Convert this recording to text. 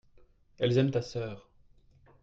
elles aiment ta sœur.